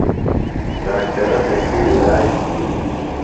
ڈاکٹرہ تسی عِلاج تِھیلیۡ۔